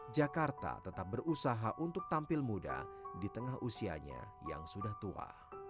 jakarta tetap berusaha untuk tampil muda di tengah usianya yang sudah tua